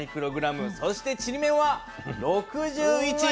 そしてちりめんは６１μｇ。